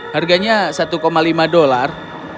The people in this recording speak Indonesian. harganya satu lima dolar